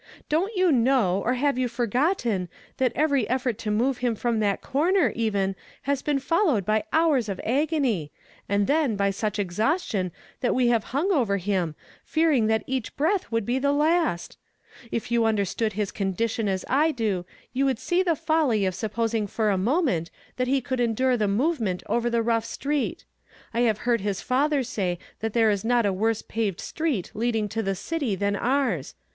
Don't you know, or have you forgotten, that every effort to move him from that corner, even, has been followed by hours of agony, and then by such exliaustion that we have hung over him, fearing that each breath would be the last ? If you understood his condition as I do, you ^^ ould see the folly of supposing for a moment that he could endure the movement over the rough street. I have hoard his father say that there is not a worse paved street leading to the city than ours.